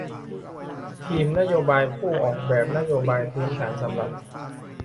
ทีมนโยบายผู้ออกแบบนโยบายพื้นฐานสำหรับ